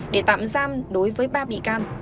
để tạm giam đối với ba bị can